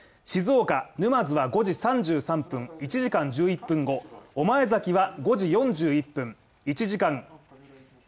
静岡沼津は５時３３分、１時間１１分後御前崎は５時４０分、１時間。